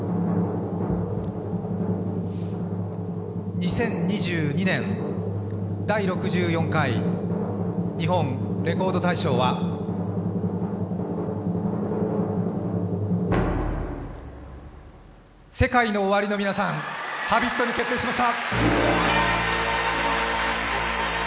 ２０２２年、第６４回日本レコード大賞はＳＥＫＡＩＮＯＯＷＡＲＩの皆さん、「Ｈａｂｉｔ」決定しました。